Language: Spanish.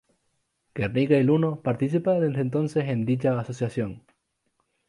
Guernica y Luno participa desde entonces en dicha Asociación.